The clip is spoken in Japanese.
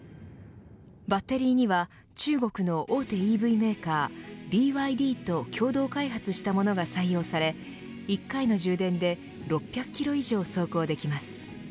バッテリーには中国の大手ＥＶメーカーＢＹＤと共同開発したものが採用され１回の充電で６００キロ以上走行できます。